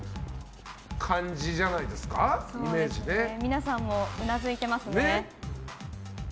皆さんもうなずいてますね。